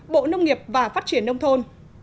hai bộ nông nghiệp và phát triển nông thôn